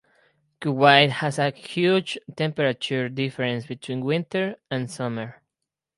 Kuwait has a huge temperature difference between winter and summer.